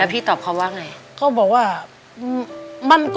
สามีก็ต้องพาเราไปขับรถเล่นดูแลเราเป็นอย่างดีตลอดสี่ปีที่ผ่านมา